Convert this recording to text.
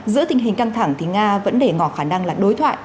giữa tình hình căng thẳng thì nga vẫn để ngỏ khả năng là đối thoại